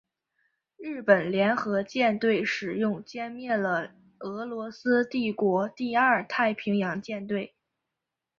日本联合舰队使用歼灭了俄罗斯帝国第二太平洋舰队。